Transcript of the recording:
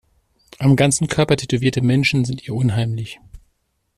Am ganzen Körper tätowierte Menschen sind ihr unheimlich.